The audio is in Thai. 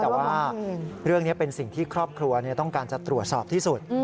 แต่ว่าเรื่องนี้เป็นสิ่งที่ครอบครัวต้องการจะตรวจสอบที่สุด